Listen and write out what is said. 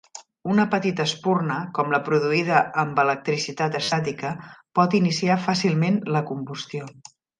Una petita espurna, com la produïda amb electricitat estàtica, pot iniciar fàcilment la combustió.